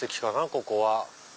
ここは。